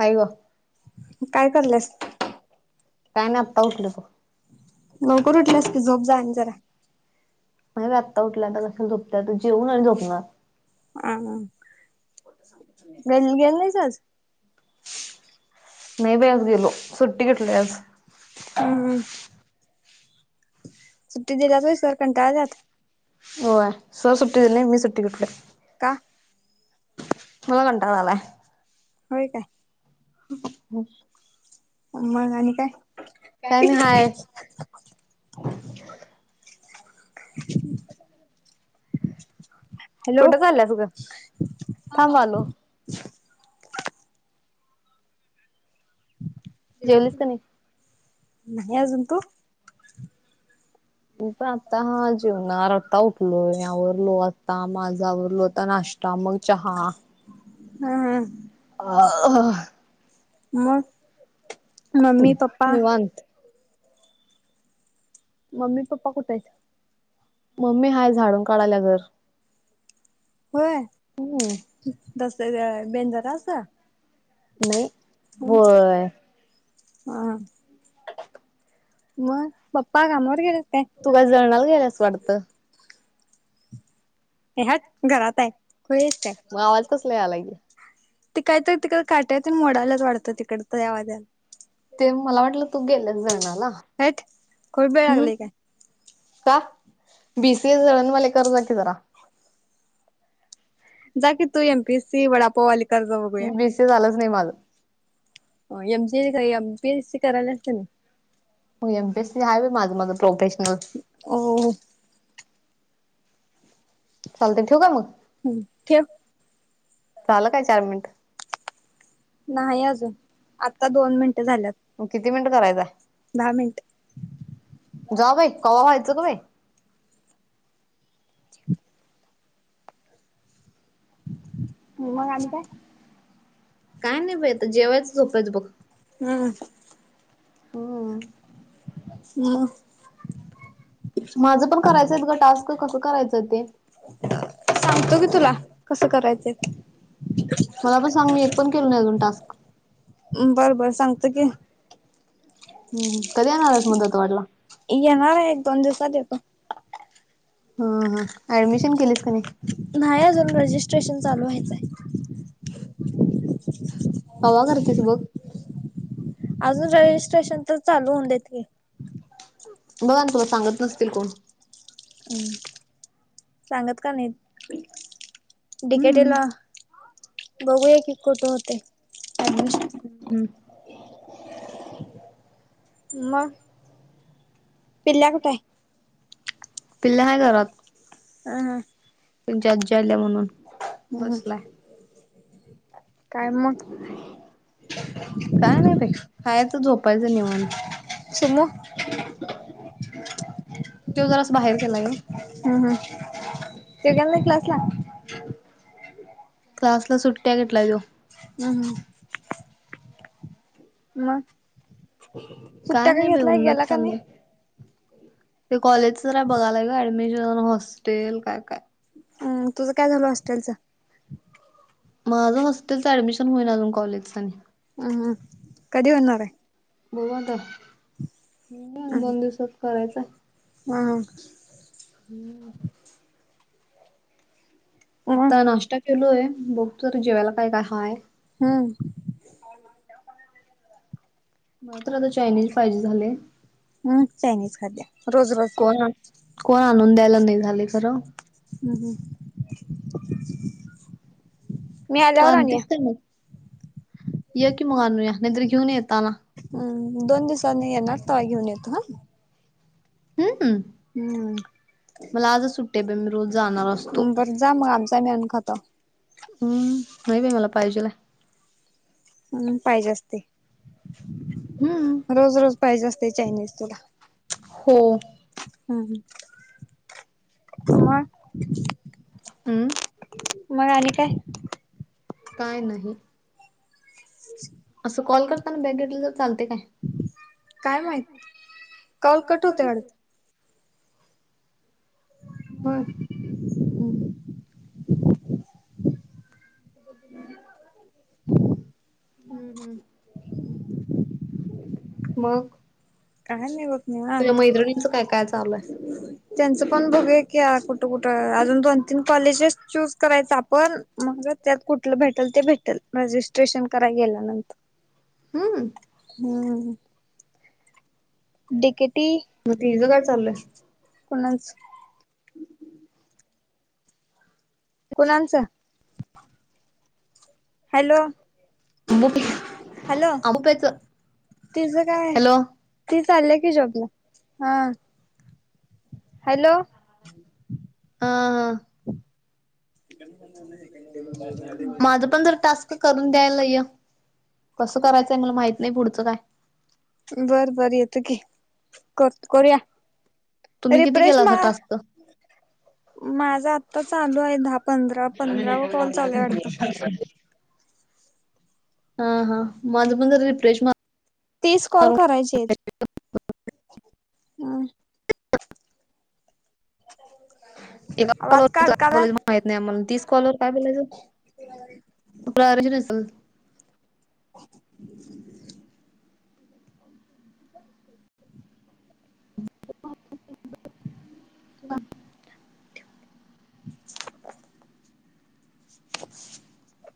हाय व. काय करलंस? काय नाही आत्ता उठलं ब. लवकर उठलेसकी झोप झाली जरा. नाही ग आत्ता उठल्या आता कशाला झोपते, जेऊन आणि झोपणार. हम ग गेल [unintelligible] नाहीचच नाही बाई आज गेलो, सुट्टी घेतली आज. हम, हम, सुट्टी दिल्यात व्हय? सर कंटाळतात. होय, सर सुट्टी दिली नाही मी सुट्टी घेतल्या. का? मला कंटाळा आलाय. होय का. हम [inaudible] मग आणि काय? काय नाही हाय [inaudible] हॅलो. कुठं चालल्यास ग थांब आलो जेवलीस का नाही? नाही आजून. तू? मी पण आता जेवणार, आत्ता उठलो, आवरलं काम आज आवरलं, नाश्ता मग चहा हम, हम, अ [unintelligible] मग, मम्मी- पप्पा निवांत मम्मी, पप्पा कुठायं? मम्मी हाय झाडून काढायला घर. होय, हम्म तस बेनजरां [unintelligible] नाही. हम, होय हा- मग पप्पा कामावर गेलेत काय? तु काय [unintelligible] जणाला ग्यायलास वाटतं ए हट घरात आहे. खुळी आहेस काय? कसल्या या लागले. ती कायतरी तिकड काट्या ते मोडायलाच वाटतं तिकड तर यावाज्याला. ते मला वाटलं तू गेलास दळणाला. हट [unintelligible] खडबेळ लागली काय का? बी, सी, एस, दळन वाले करत जा की जरा. जाकी तू एम, पी, एस, सी, वडापावाली करत जा बघू या? ते झालंच नाही माझ एमी एमपीएस सी करायला असेते ना मग एम पीएस सी आहेवे माझ माझ प्रोफेशनल ओ हो हो चालते ठेव का मग हम्म ठेव चालं काय चार मिनिट नाही अजून आता दोन मिनटं झाल्यात मग किती मिनट करायचा दहा मिनट जॉ बाई कवा वायच तुम्ही हो मग आम्ही काय काय नाही बाई त जेवयचं झोपयचं बघ हम हम हो माझं पण करायचंय ग टास्क कसं करायचंय ते सांगतो की तुला कसं करायचं ते मला पण सांग मी एक पण केला नाही अजून टास्क बरं बरं सांगत की हम्म कधी येणार आहेस मग दत्त वाढला येणार आहे एक दोन दिवसात येतो ह हा ऍडमिशन केलीस काय नाही अजून रजिस्ट्रेशन चालू व्हायचंय कवा करतीस बघ अजून रेजिस्ट्रेशन तर चालू होऊन देतील बघा ना तुला सांगत नसतील कोण हम् सांगत का नाही डिकेटीला बघूया की कुठ होते ऍडमिशन मग पिल्या काय पिल्या हाय घरात ओ तुम्हचा आजी आल्या म्हणून ह बसलाय. काय मग काय नाही बाई खायचं झोपायचं निवांत सुमु त्यो जरा सं बाहेर घेलाय व ह हा तो गेला य क्लासला क्लासला सुट्या भेटायला वो हम् हम् मग काय सुट्ट्या नाही बाई घेतलाय उन्हात गेला का नाही तान्हात. ते कॉलेजचंचय बघालाय का ऍडमिशन हॉस्टेल काय काय हम्म तुझं काय झालं हॉस्टलचं माझं हॉस्टेलचं ऍडमिशन होईल अजून कॉलेज आणि. हम हम कधी होणार आहे. बघता [inaudible] दोन दिवसात करायचं हाय. हा हा, हम. मग आता नाश्ता केलोय बघ तू तर जेवायला काय काय हाय. हम्म. मला तर आता चायनीज पाहिजे झाले. हम्म चायनीज खाते रोज रोज. कोण कोण आणून द्यायला नाही झाले खरं. हम हम. तू आणतीच का मग ये कि मग आणूया नाही तर घेऊन येताना. हा दोन दिवससा न येणार तवा घेऊन येतो हा. हम्म हम् हम्म मला आज च सुट्टी आहे मी रोज जाणार असतो. बरं जा मग आमचा आम्ही आणून खाताव. हम् नाही बाई मला पाहिजेल आहे. म्हणून पाहिजे असते हम्म रोज रोज पाहिजे असते चायनीज तुला. हो, हा हा मग. हम्. मग आणि काय. काय नाही. असं कॉल करताना बॅग घेतलं तर चालते काय. काय माहित कौल कट होते अडत. हो, हम. हम हम. मग. काही नाही बघ तुझ्या निवांत. मैत्रिणींचं काय काय चालू आहे? त्यांचं पण बघू की कुठं कुठं अजून दोन तीन कॉलेजेस चूज करायच आपण. म त्यात कुठलं भेटल ते भेटेल रजिस्ट्रेशन करायला गेल्यानंतर. हम्. ह ह, डी के टी. मग तिझं काय चाललंय. कोणाच. कुनालांचं. हॅलो आंबो पे हॅलो आंबो प्यायचं तुझं काय. हॅलो ती चालली की जोबला हा. हॅलो, हा हा, माझ पण जरा टास्क. क करून द्यायलाय कसं करायचंय मला माहित नाही पुढचं काय. बर बर येतं की कर करूया. तुम्ही किती रिफ्रेश केलासा मार टास्क? माझा आता चालू आहे दहा पंधरा. पंधरावा कॉल चालू आहे मी वाटतं. [unintelligible] हा हा माझ पण जरा रिफ्रेश मार तीस कॉल करायचे आहेत. एका कॉल आवाज वर काडकालाय. काय माहित नाही आम्हाला. तीस कॉल वर काय बोलायच. [inaudible] ह [inaudible] हम् [unintelligible] [unintelligible]